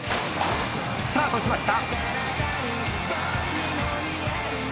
「スタートしました！」